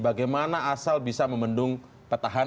bagaimana asal bisa memendung petahana